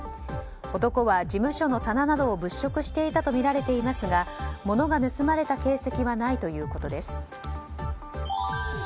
男は事務所の棚などを物色していたとみられていますが物が盗まれた形跡はないということです。